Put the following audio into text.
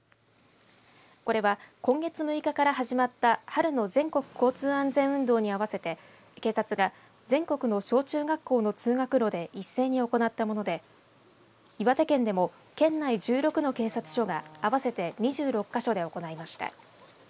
これは今月６日から始まった春の全国交通安全運動に合わせて警察が全国の小中学校の通学路で一斉に行ったもので岩手県でも県内１６の警察署が合わせて２６か所で行いました。